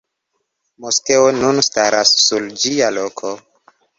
Moskeo nun staras sur ĝia loko.